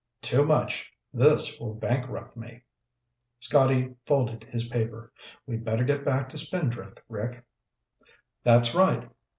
"Too much. This will bankrupt me." Scotty folded his paper. "We'd better get back to Spindrift, Rick." "That's right."